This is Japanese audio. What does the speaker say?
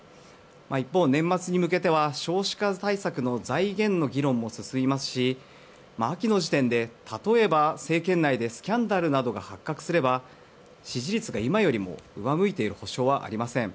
一方、年末に向けて少子化対策の財源の議論も進みますし秋の時点で、例えば政権内でスキャンダルなどが発覚すれば支持率が今より上向いている保証はありません。